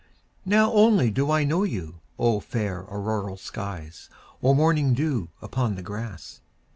Now only do I know you, O fair auroral skies O morning dew upon the grass!